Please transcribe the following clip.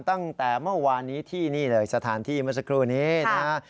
ตั้งแต่เมื่อวานนี้ที่นี่เลยสถานที่เมื่อสักครู่นี้นะฮะ